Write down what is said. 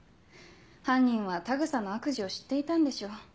犯人は田草の悪事を知っていたんでしょう。